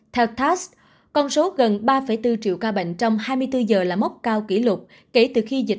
bảy bảy trăm ba mươi năm theo tass con số gần ba bốn triệu ca bệnh trong hai mươi bốn giờ là mốc cao kỷ lục kể từ khi dịch